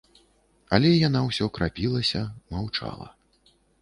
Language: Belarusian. Але яна ўсё крапілася, маўчала.